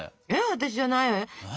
私じゃないわよ。